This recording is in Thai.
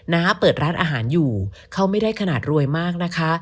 ้าเปิดร้านอาหารอยู่เขาไม่ได้ขนาดรวยมากนะคะ